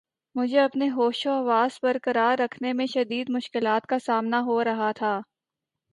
مجھے اپنے ہوش و حواس بر قرار رکھنے میں شدید مشکلات کا سامنا ہو رہا تھا